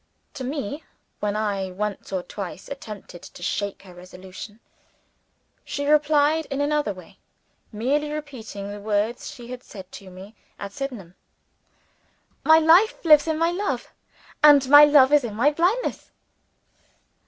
To me when I once or twice attempted to shake her resolution she replied in another way, merely repeating the words she had said to me at Sydenham: "My life lives in my love. And my love lives in my blindness."